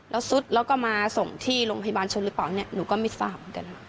แล้วซุดแล้วก็มาส่งที่โรงพยาบาลชนหรือเปล่าเนี่ยหนูก็ไม่ทราบเหมือนกัน